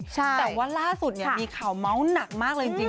แต่ว่าล่าสุดเนี่ยมีข่าวเมาส์หนักมากเลยจริง